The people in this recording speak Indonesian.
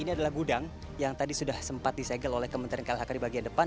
ini adalah gudang yang tadi sudah sempat disegel oleh kementerian klhk di bagian depan